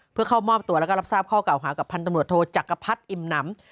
เพื่อเข้ามอบตัวแล้วก็รับทราบข้อเก่าหากับพันธมรตโทจักรพรรดิอิ่มหนำ